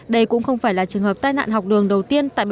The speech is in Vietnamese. đây cũng không phải là trường hợp tai nạn học đường đầu tiên